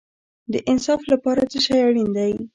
د انصاف لپاره څه شی اړین دی؟